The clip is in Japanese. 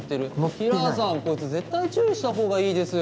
平良さんこいつ絶対注意した方がいいですよ。